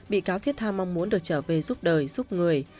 bị cáo thiết tha mong muốn được trở về giúp đời giúp người